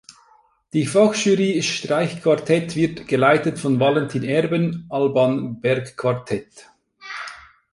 Die Fachjury Streichquartett wird geleitet von Valentin Erben, Alban Berg Quartett.